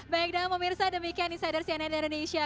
baik dan pemirsa demikian insider cnn indonesia